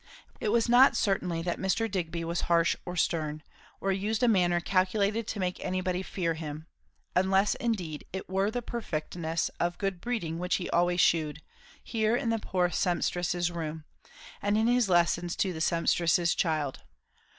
It was not certainly that Mr. Digby was harsh or stern, or used a manner calculated to make anybody fear him; unless indeed it were the perfectness of good breeding which he always shewed, here in the poor sempstress's room, and in his lessons to the sempstress's child.